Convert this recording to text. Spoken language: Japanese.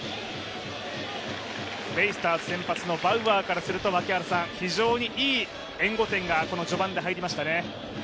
ベイスターズ先発のバウアーからすると非常にいい援護点がこの序盤で入りましたね。